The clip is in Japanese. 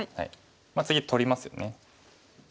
次取りますよね。